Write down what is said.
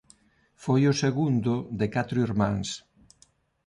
Foi o segundo de catro irmáns.